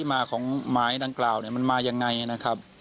เมื่อกมาย้์ทางกล่าวมันมายังไงนะครับ